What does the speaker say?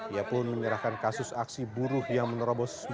ia pun menyerahkan kasus aksi buruh yang menerobos